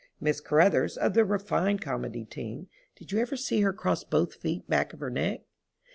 Miss Carruthers, of the refined comedy team—did you ever see her cross both feet back of her neck?